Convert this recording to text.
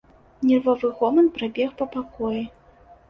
Нервовы гоман прабег па пакоі.